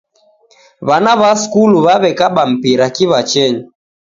W'ana w'a skulu w'aw'ekaba mpira kiw'achenyi